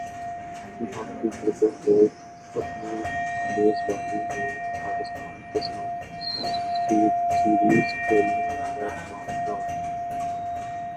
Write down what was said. بھارتی cricket board اپنی میزبانی میں پاکستان کیساتھ سیریز کھیلنے پر مادہ